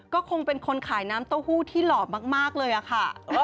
ก็คงเป็นคนขายน้ำเต้าหู้ที่หล่อมากเลยอะค่ะ